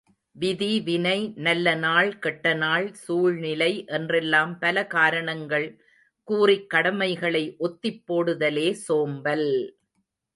விதி, வினை, நல்லநாள், கெட்டநாள், சூழ்நிலை என்றெல்லாம் பல காரணங்கள் கூறிக் கடமைகளை ஒத்திப் போடுதலே சோம்பல்!